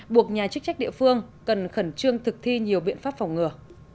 buộc nhà chức trách địa phương cần khẩn trương thực thi nhiều biện pháp phòng ngừa